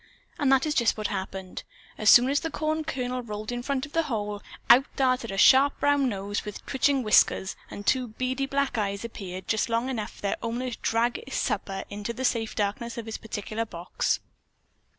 And that is just what happened. As soon as the corn kernel rolled in front of the hole, out darted a sharp brown nose with twitching whiskers and two beady black eyes appeared just long enough for their owner to drag his supper into the safe darkness of his particular box.